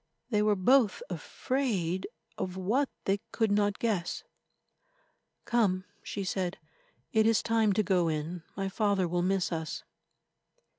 They were both afraid of what they could not guess. "Come," she said, "it is time to go in. My father will miss us."